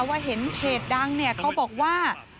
ว่าเห็นเพจดังเนี่ยเขาบอกว่า